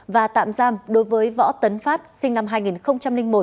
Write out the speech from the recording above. và tạm giam đối với võ tấn phát sinh năm hai nghìn một